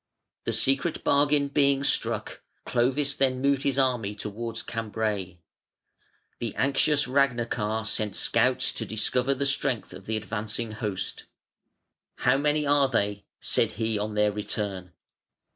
The secret bargain being struck, Clovis then moved his army towards Cambray. The anxious Ragnachar sent scouts to discover the strength of the advancing host. "How many are they?" said he on their return.